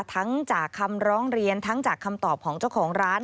ทั้งจากคำร้องเรียนทั้งจากคำตอบของเจ้าของร้าน